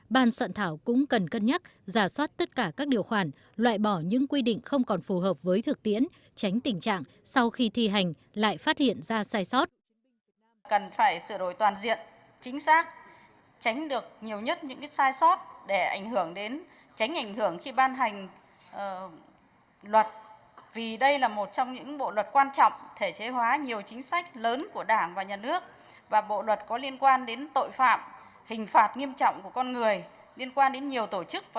ban soạn thảo cũng cần cân nhắc giả soát tất cả các điều khoản loại bỏ những quy định không còn phù hợp với thực tiễn tránh tình trạng sau khi thi hành lại phát hiện ra sai sót